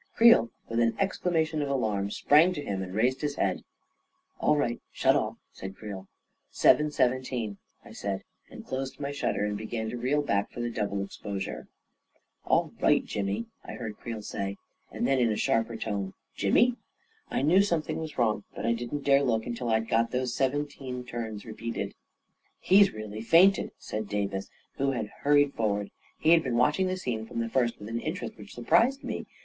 Creel, with an exclamation of alarm, sprang to him and raised his head •.. u All right; shut off !" said Creel. " Seven seventeen," I said, and closed my shutter and began to reel back for the double exposure. A KING IN BABYLON 181 " All right, Jimmy/' I heard Creel say; and then, in a sharper tone, "Jimmy !" I knew something was wrong, but I didn't dare look until I got those seventeen turns repeated. 44 He's really fainted !" said Davis, who had hur ried forward — he had been watching the scene from the first with an interest which surprised me.